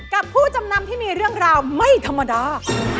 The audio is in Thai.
ผู้จำนำที่มีเรื่องราวไม่ธรรมดา